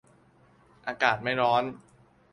อากาศไม่ร้อน